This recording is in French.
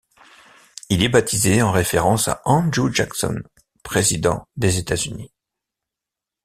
Il est baptisé en référence à Andrew Jackson, président des États-Unis.